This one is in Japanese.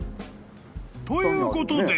ということで］